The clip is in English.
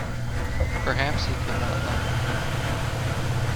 Perhaps he could not love her.